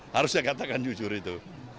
harusnya katakan jujur itu